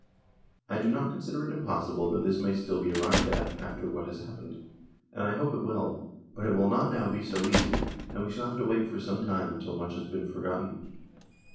I do not consider it impossible that this may still be arrived at after what has happened, and I hope it will, but it will not now be so easy, and we shall have to wait for some time till much has been for gotten.